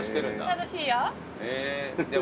楽しいよ。